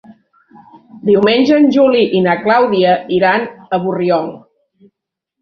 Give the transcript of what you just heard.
Diumenge en Juli i na Clàudia iran a Borriol.